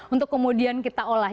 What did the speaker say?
untuk kemudian kita olah